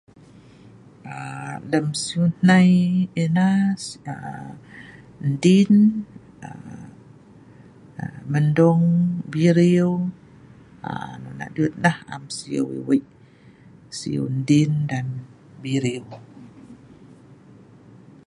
Aa lem siu hnai ena aa din aa mendung bireu aa nonoh dut lah, am siu weik, siu ndin dan bireu